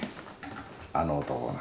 あの男が。